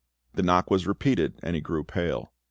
The knock was repeated, and he grew pale.